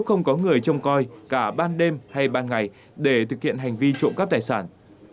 không có người trông coi cả ban đêm hay ban ngày để thực hiện hành vi trộm cắp tài sản